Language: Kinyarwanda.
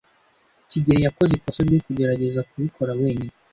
kigeli yakoze ikosa ryo kugerageza kubikora wenyine.